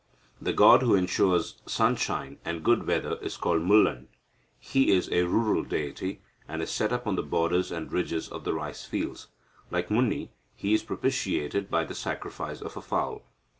The god who ensures sunshine and good weather is Mullan. He is a rural deity, and is set up on the borders and ridges of the rice fields. Like Muni, he is propitiated by the sacrifice of a fowl.